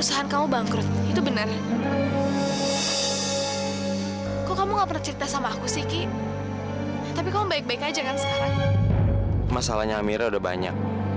sampai jumpa di video selanjutnya